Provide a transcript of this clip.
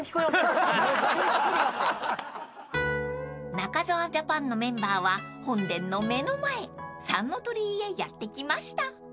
［中澤ジャパンのメンバーは本殿の目の前三ノ鳥居へやって来ました］